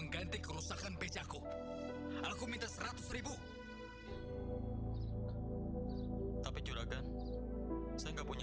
nanti sebentar lagi kita akan mengingatnya